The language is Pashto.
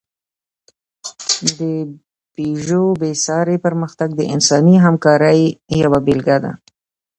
د پيژو بېساری پرمختګ د انساني همکارۍ یوه بېلګه ده.